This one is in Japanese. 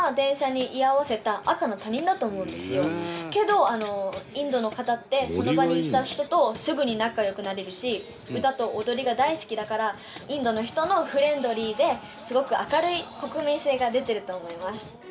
けどインドの方ってその場にいた人とすぐに仲良くなれるし歌と踊りが大好きだからインドの人のフレンドリーですごく明るい国民性が出てると思います。